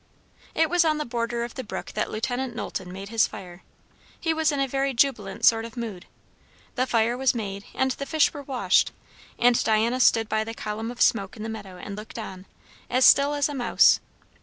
It was on the border of the brook that Lieut. Knowlton made his fire. He was in a very jubilant sort of mood. The fire was made, and the fish were washed; and Diana stood by the column of smoke in the meadow and looked on, as still as a mouse.